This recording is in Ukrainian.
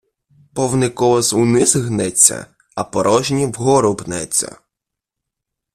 Повний колос униз гнеться, а порожній вгору пнеться.